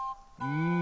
うん。